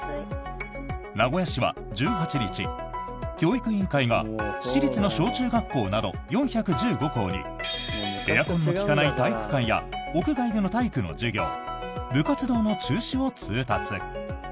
名古屋市は１８日教育委員会が市立の小中学校など４１５校にエアコンの利かない体育館や屋外での体育の授業部活動の中止を通達。